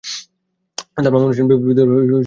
তার মামা অনুশীলন বিপ্লবী দলের নেতা ছিলেন।